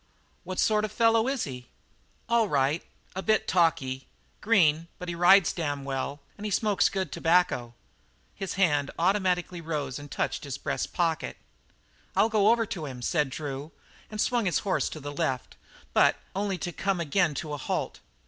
What sort of a fellow is he?" "All right. A bit talky. Green; but he rides damn well, an' he smokes good tobacco." His hand automatically rose and touched his breast pocket. "I'll go over to him," said Drew, and swung his horse to the left, but only to come again to a halt.